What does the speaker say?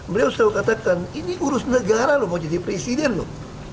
beliau selalu katakan ini urus negara loh mau jadi presiden loh